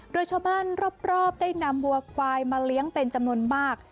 โดยชาวบ้านรอบได้นำวัวควายมาเลี้ยงเป็นจำนวนมาก